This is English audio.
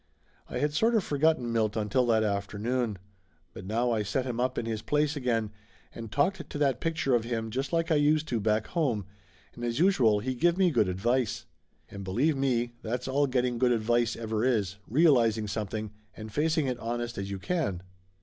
I had sort of forgotten Milt until that after noon. But now I set him up in his place again and talked to that picture of him just like I used to do back home, and as usual he give me good advice. And, be lieve me, that's all getting good advice ever is rea lizing something, and facing it honest as you can.